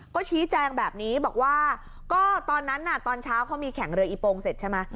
ก็ชี้แจงแบบนี้บอกว่าก็ตอนนั้นน่ะตอนเช้าเขามีแข่งเรืออีโปงเสร็จใช่ไหม